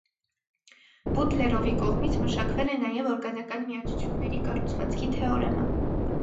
Բուտլերովի կողմից մշակվել է նաև օրգանական միացությունների կառուցվածքի թեորեմը։